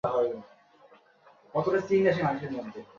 বিপদে আক্রান্ত হয়ে আমাদের জমিন বিভিন্ন দিকে হেলে পড়ার উপক্রম হল।